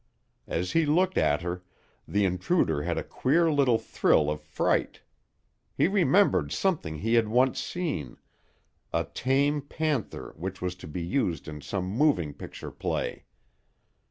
As he looked at her, the intruder had a queer little thrill of fright. He remembered something he had once seen a tame panther which was to be used in some moving picture play.